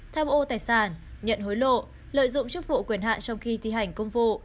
tham ô tài sản nhận hối lộ lợi dụng chức vụ quyền hạn trong khi thi hành công vụ